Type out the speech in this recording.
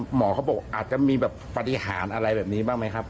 หมอเขาบอกอาจจะมีแบบปฏิหารอะไรแบบนี้บ้างไหมครับ